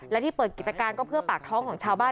และที่เปิดกิจการก็เพื่อปากท้องของชาวบ้าน